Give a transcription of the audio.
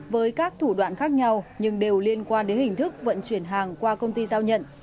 với các thủ đoạn khác nhau nhưng đều liên quan đến hình thức vận chuyển hàng qua công ty giao nhận